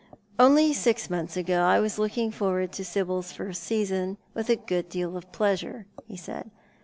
"Only six months ago I was looking forward to Sibyl's first season with a good deal of pleasure," he said.